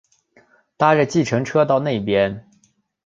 搭著计程车到那边